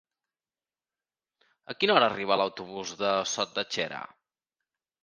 A quina hora arriba l'autobús de Sot de Xera?